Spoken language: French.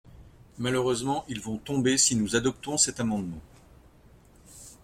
Malheureusement, ils vont tomber si nous adoptons cet amendement.